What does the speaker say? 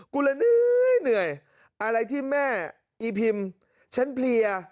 ละเหนื่อยอะไรที่แม่อีพิมพ์ฉันเพลีย